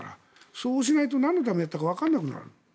そうしないと何のためにやったかわからなくなってしまう。